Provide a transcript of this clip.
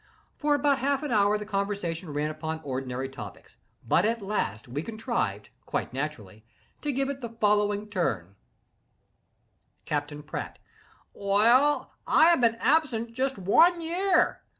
For about half an hour the conversation ran upon ordinary topics, but at last, we contrived, quite naturally, to give it the following turn: CAPT. PRATT. "Well I have been absent just one year.